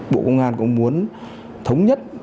bộ công an cũng muốn thống nhất